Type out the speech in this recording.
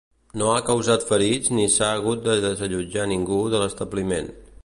No ha causat ferits ni s'ha hagut de desallotjar ningú de l'establiment.